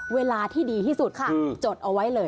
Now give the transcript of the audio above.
เวลาที่ดีที่สุดค่ะจดเอาไว้เลย